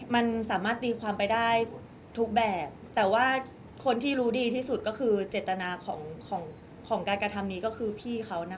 มันสามารถตีความไปได้ทุกแบบแต่ว่าคนที่รู้ดีที่สุดก็คือเจตนาของของการกระทำนี้ก็คือพี่เขานะคะ